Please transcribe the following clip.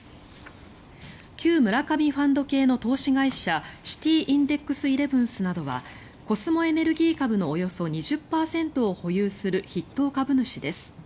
旧村上ファンド系の投資会社シティインデックスイレブンスなどはコスモエネルギー株のおよそ２０％を保有する筆頭株主です。